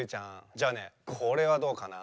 じゃあねこれはどうかな？